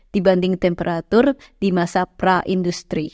dibanding temperatur di masa pra industri